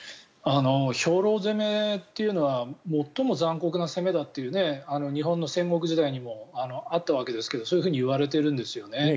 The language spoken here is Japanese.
兵糧攻めというのは最も残酷な攻めだという日本の戦国時代にもあったわけですがそういうふうに言われているんですよね。